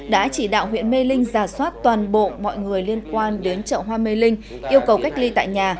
đã chỉ đạo huyện mê linh giả soát toàn bộ mọi người liên quan đến chợ hoa mê linh yêu cầu cách ly tại nhà